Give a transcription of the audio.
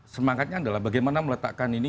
semangatnya adalah bagaimana meletakkan ini